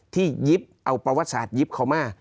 ยิบเอาประวัติศาสตยิบเขามา